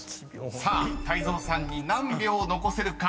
［さあ泰造さんに何秒残せるか？］